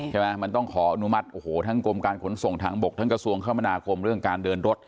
ใช่ไหมมันต้องขออนุมัติโอ้โหทั้งกรมการขนส่งทางบกทั้งกระทรวงคมนาคมเรื่องการเดินรถ